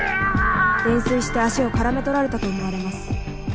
泥酔して足を絡め取られたと思われます。